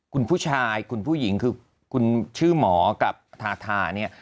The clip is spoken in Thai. คุณผู้ชายคุณผู้หญิงคือคุณชื่อหมอกับทาทาเนี่ย